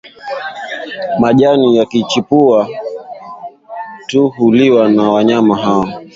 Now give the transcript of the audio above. Majani yakichipua tu huliwa na wanyama hao